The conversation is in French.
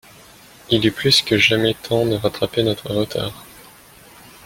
Il est plus que jamais temps de rattraper notre retard.